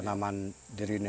tanaman tanaman dari anak anak